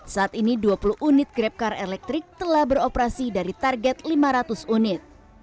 saat ini dua puluh unit grabcar elektrik telah beroperasi dari target lima ratus unit